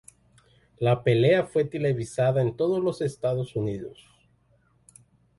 La pelea fue televisada en todos los Estados Unidos.